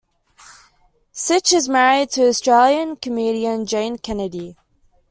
Sitch is married to Australian comedian Jane Kennedy.